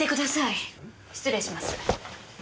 失礼します。